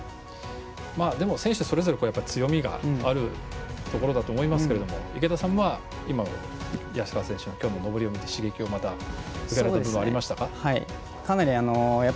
でも、選手それぞれ強みがあるところだと思いますけれども池田さんは、安川選手の登りを見て刺激を、また受けた部分もありましたか？